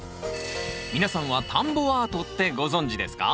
皆さんは田んぼアートってご存じですか？